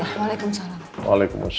assalamualaikum warahmatullahi wabarakatuh